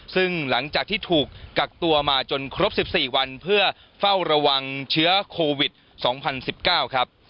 ซึ่งหลังจากที่ถูกกักตัวมาจนครบ๑๔วันเพื่อเฝ้าระวังเชื้อโควิด๒๐๑๙ครับ